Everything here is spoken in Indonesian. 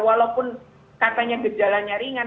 walaupun katanya gejalanya ringan